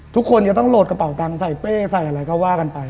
ทุกคนจะต้องโหลดกระเป๋าตังค์ใส่เป้ใส่อะไรก็ว่ากันไป